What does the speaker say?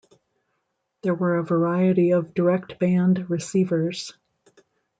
There were a variety of DirectBand receivers.